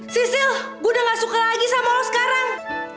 sisil gue udah gak suka lagi sama lo sekarang